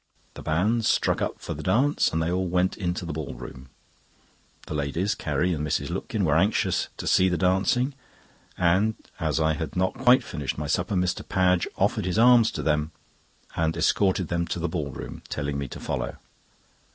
The band struck up for the dance, and they all went into the ball room. The ladies (Carrie and Mrs. Lupkin) were anxious to see the dancing, and as I had not quite finished my supper, Mr. Padge offered his arms to them and escorted them to the ball room, telling me to follow.